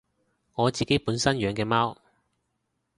我自己本身養嘅貓